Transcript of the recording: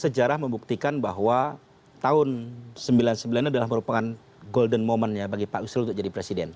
sejarah membuktikan bahwa tahun sembilan puluh sembilan adalah merupakan golden momentnya bagi pak yusril untuk jadi presiden